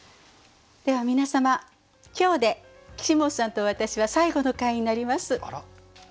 では皆様今日で岸本さんと私は最後の回になります。